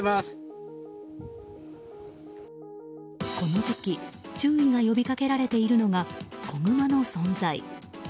この時期注意を呼びかけられているのが子グマの存在。